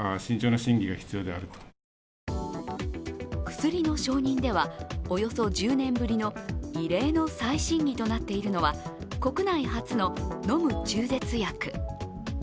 薬の承認ではおよそ１０年ぶりの異例の再審議となっているのは国内初の飲む中絶薬。